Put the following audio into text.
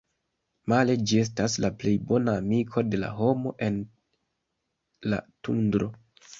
Male, ĝi estas la plej bona amiko de la homo en la Tundro.